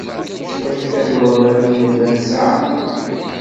Cwiṭ kan n waman ay nella nesɛa.